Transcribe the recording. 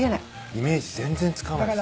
イメージ全然つかないっす。